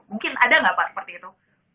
mungkin ada nggak pak seperti itu